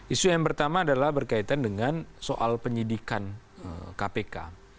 isu yang pertama adalah berkaitan dengan soal penyidikan kpk